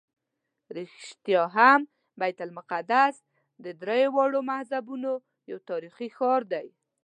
رښتیا هم بیت المقدس د درېواړو مذهبونو یو تاریخي ښار دی.